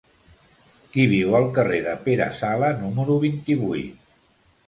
Qui viu al carrer de Pere Sala número vint-i-vuit?